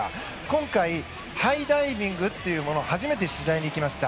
今回ハイダイビングというものを初めて取材に行きました。